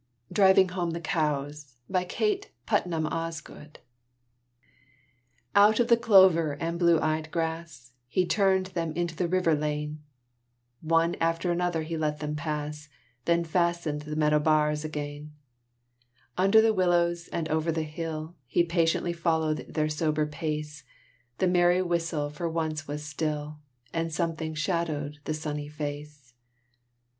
PATRICK SARSFIELD GILMORE. DRIVING HOME THE COWS Out of the clover and blue eyed grass, He turned them into the river lane; One after another he let them pass, Then fastened the meadow bars again. Under the willows, and over the hill, He patiently followed their sober pace; The merry whistle for once was still, And something shadowed the sunny face.